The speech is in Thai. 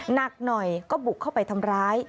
หนักหน่อยก็บุกเข้าไปทำร้าย